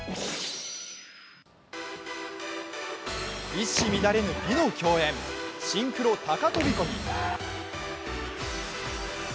一糸乱れぬ美の競演、シンクロ高飛び込み。